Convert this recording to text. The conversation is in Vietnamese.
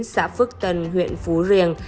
xã phước tân huyện phú riềng